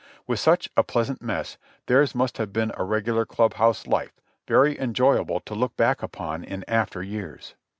With such a pleasant mess, theirs must have been a regular club house life, very enjoyable to look back upon in after years.